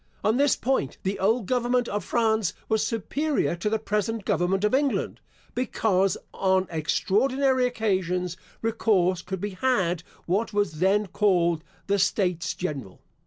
On this point the old government of France was superior to the present government of England, because, on extraordinary occasions, recourse could be had what was then called the States General.